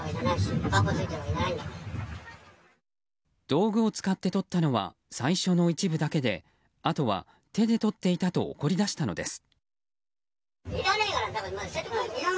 道具を使ってとったのは最初の一部だけであとは、手でとっていたと怒り出したのです。